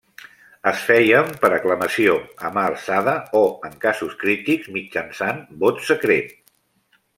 Es feien per aclamació, a mà alçada o, en casos crítics, mitjançant vot secret.